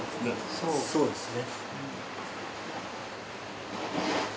そうですね。